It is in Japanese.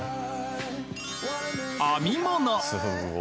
編み物。